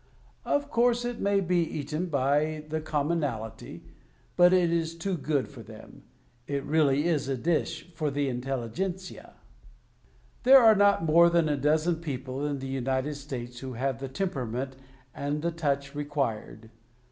Of course, it may be eaten by the commonalty, but it is too good for them. It really is a dish for the intelligentsia. There are not more than a dozen people in the United States vpho have the temperament and the touch required.